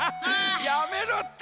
やめろって！